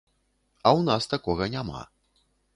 А ў нас такога няма.